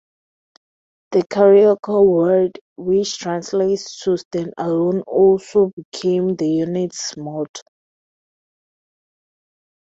The Cherokee word, which translates to "Stand Alone", also became the unit's motto.